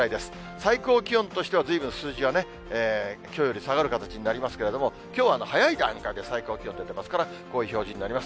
最高気温としては、ずいぶん数字はきょうより下がる形になりますけれども、きょうは早い段階で最高気温出てますから、こういう表示になります。